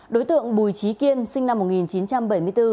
đối tượng bùi trí kiên sinh năm một nghìn chín trăm bảy mươi bốn